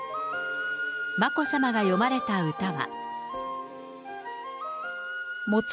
眞子さまが詠まれた歌は。